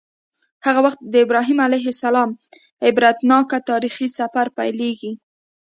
هغه وخت د ابراهیم علیه السلام عبرتناک تاریخي سفر پیلیږي.